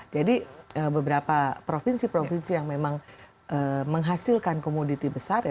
jadi beberapa provinsi provinsi yang memang menghasilkan komoditi besar ya